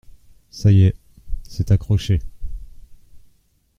Ca y est… c’est accroché…